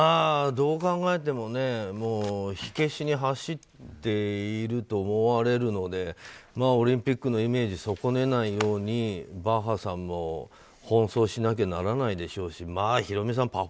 どう考えても火消しに走っていると思われるのでオリンピックのイメージを損ねないようにバッハさんも奔走しなきゃならないでしょうしヒロミさん